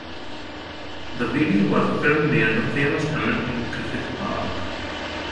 The video was filmed near the famous tunnel in Griffith Park.